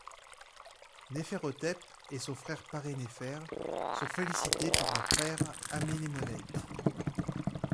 Néferhotep et son frère Parennefer sont félicités par leur père Amenemonet.